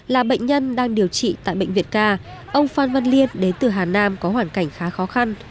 là bệnh nhân đang điều trị tại bệnh viện ca ông phan văn liên đến từ hà nam có hoàn cảnh khá khó khăn